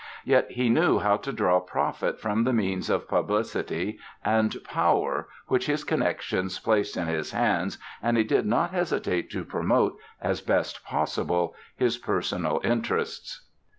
Yet he knew how to draw profit from the means of publicity and power which his connections placed in his hands and he did not hesitate to promote, as best possible, his personal interests.